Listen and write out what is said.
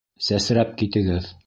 Сәсрәп китегеҙ!